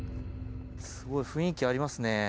すごい雰囲気ありますね。